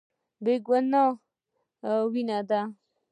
بې ګناه وينه ده.